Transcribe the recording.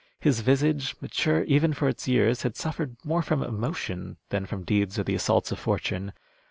His visage, mature even for its years, had suffered more from emotion than from deeds or the assaults of fortune.